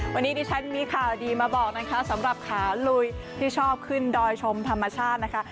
วันนี้ดิฉันมีข่าวดีมาบอกนะคะสำหรับขาลุยที่ชอบขึ้นดอยชมธรรมชาตินะคะ